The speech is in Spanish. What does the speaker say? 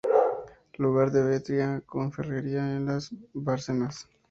Lugar de Behetría: con ferrería en las Bárcenas.